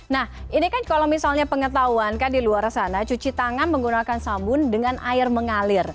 nah ini kan kalau misalnya pengetahuan kan di luar sana cuci tangan menggunakan sabun dengan air mengalir